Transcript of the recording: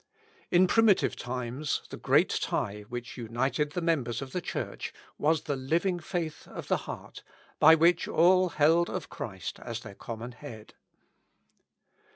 In primitive times, the great tie which united the members of the Church was the living faith of the heart, by which all held of Christ as their common Head.